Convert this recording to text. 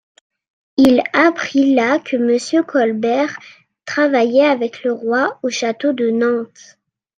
Il apprit là que Monsieur Colbert travaillait avec le roi au château de Nantes.